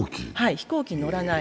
飛行機に乗らない。